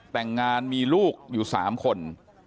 แต่งงานมีลูกอยู่๓คน